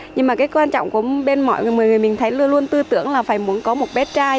nhưng mà cái quan trọng của mọi người mình thấy luôn luôn tư tưởng là phải muốn có một bé trai